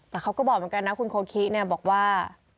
แต่เขาก็บอกเหมือนกันนะคุณโคคิเนี่ยบอกว่า